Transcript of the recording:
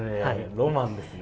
ロマンですね